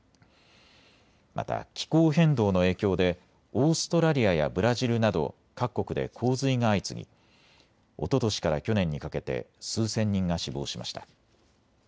また気候変動の影響でオーストラリアやブラジルなど各国で洪水が相次ぎおととしから去年にかけて数千人が死亡しました。